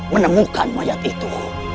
menemukan mayat itu